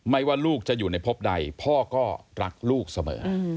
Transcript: ว่าลูกจะอยู่ในพบใดพ่อก็รักลูกเสมอ